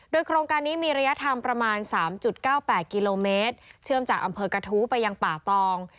โดยโครงการนี้มีระยะทางประมาณ๓๙๘กิโลเมตรเชื่อมจากอำเภอกระทู้ไปยังป่าตอง